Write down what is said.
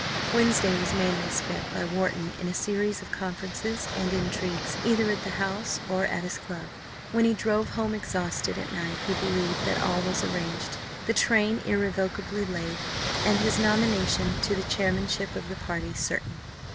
Wednesday was mainly spent by Wharton in a series of conferences and intrigues either at the House or at his club; when he drove home exhausted at night he believed that all was arranged the train irrevocably laid, and his nomination to the chairmanship of the party certain.